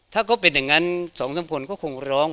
ถ้าเป็นแบบงั้นสองสังคมคนก็คงร้อง